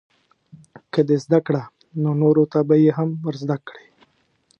که دې زده کړه نو نورو ته به یې هم ورزده کړې.